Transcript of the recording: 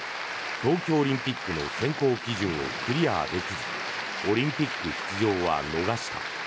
東京オリンピックの選考基準をクリアできずオリンピック出場は逃した。